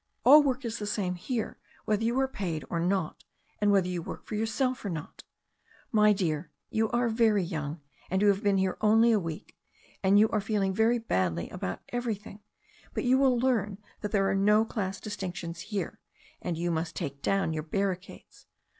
All work is the same here whether you are paid or not and whether you work for yourself or not. My dear, you are very young, and you have been here only a week, and you are feeling very badly about everything. But you will learn that there are no class distinctions here, and you must take down your barricades.